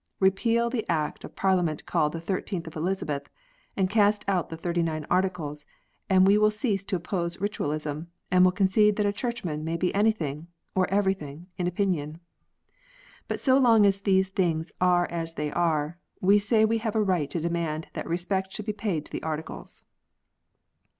Repeal the Act of Parliament called the 13th of Elizabeth, and cast out the Thirty nine Articles, and we will cease to oppose Ritualism, and will concede that a Churchman may be anything, or everything, in opinion. But so long as things are as they are, we say we have a right to demand that respect should be paid to the Articles.